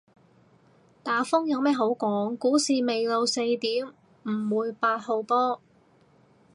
打風有咩好講，股市未到四點唔會八號波